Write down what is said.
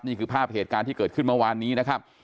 นี่คือภาพเหตุการณ์ที่เกิดขึ้นเมื่อวานนี้นะครับ